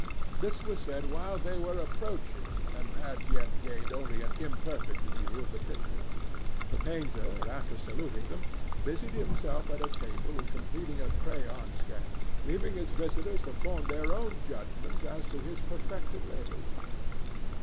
This was said while they were approaching and had yet gained only an imperfect view of the pictures. The painter, after saluting them, busied himself at a table in completing a crayon sketch, leaving his visitors to form their own judgment as to his perfected labors.